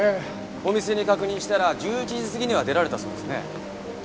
お店に確認したら１１時過ぎには出られたそうですね。